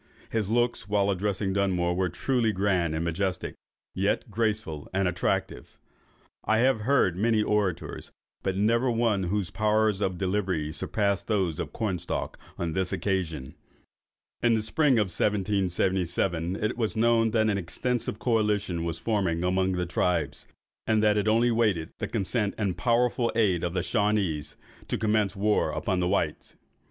His looks, while addressing Dunmore, were truly grand and majestic, yet graceful and attractive. I have heard many celebrated orators, but never one whose powers of delivery surpassed those of Cornstalk on this occasion." In the spring of 1777, it was known that an extensive coalition was forming among the tribes, and that it only waited the consent and powerful aid of the Shawanees, to commence war upon the whites.